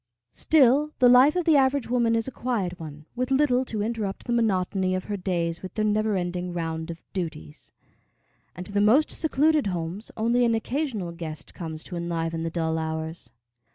Still the life of the average woman is a quiet one, with little to interrupt the monotony of her days with their never ending round of duties; and to the most secluded homes only an occasional guest comes to enliven the dull hours.